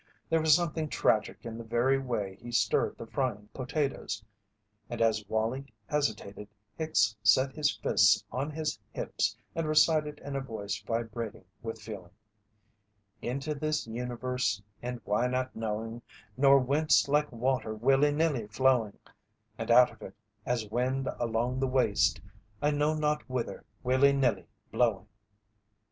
There was something tragic in the very way he stirred the frying potatoes, and as Wallie hesitated Hicks set his fists on his hips and recited in a voice vibrating with feeling: "Into this Universe, and why not knowing, Nor whence, like water will nilly flowing, And out of it, as Wind along the Waste, I know not whither willy nilly blowing."